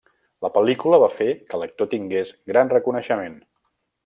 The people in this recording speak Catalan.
La pel·lícula va fer que l'actor tingués gran reconeixement.